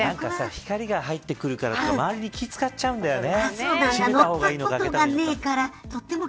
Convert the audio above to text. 光が入ってくるとかどうか周りに気を使っちゃうんだよね。